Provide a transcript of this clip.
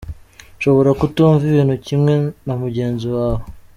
Ushobora kutumva ibintu kimwe na mugenzi wawe.